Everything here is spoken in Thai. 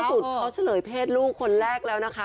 สุดเขาเฉลยเพศลูกคนแรกแล้วนะคะ